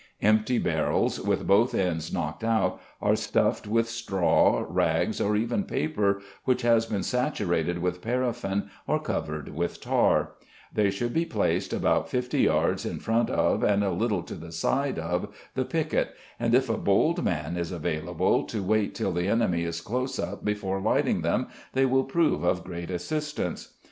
Empty barrels, with both ends knocked out, are stuffed with straw, rags, or even paper, which has been saturated with paraffin or covered with tar; they should be placed about 50 yards in front of, and a little to the side of, the piquet, and if a bold man is available to wait till the enemy is close up before lighting them, they will prove of great assistance.